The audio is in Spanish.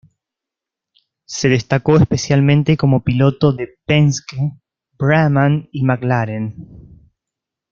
Se destacó especialmente como piloto de Penske, Brabham y McLaren.